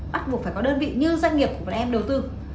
bắt buộc phải có đơn vị như doanh nghiệp của bọn em đầu tư